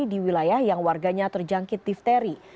di wilayah yang warganya terjangkit difteri